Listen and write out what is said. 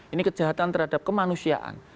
ini kejahatan terhadap kemanusiaan